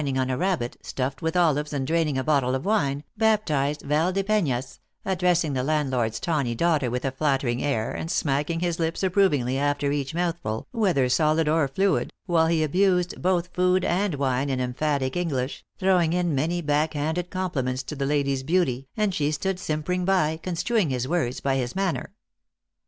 ing on a rabbit, stuffed with olives, and draining a bottle of wine, baptized Valdepenas addressing the landlord s tawny daughter with a flattering air, and smacking his lips approvingly, after each mouthful, whether solid or fluid, while he abused both food and wine in emphatic English, throwing in many back handed compliments to the lady s beauty, and she stood simpering by, construing his words by his man ner.